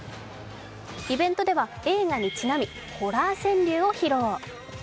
イベントでは映画にちなみホラー川柳を披露。